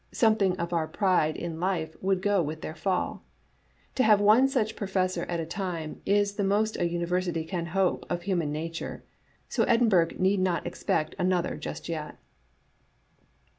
Something of our pride in life would go with their fall. To have one such professor at a time is the most a university can hope of human nature, so Edinburgh need not expect another just yet."